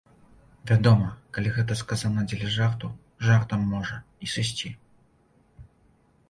Вядома, калі гэта сказана дзеля жарту, жартам можа і сысці.